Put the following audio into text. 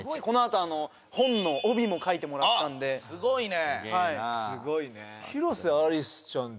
このあと本の帯も書いてもらったんですごいね！